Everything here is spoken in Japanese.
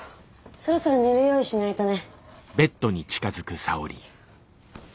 そろそろ寝る用意しないとね。